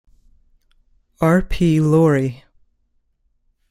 R. P. Laurie.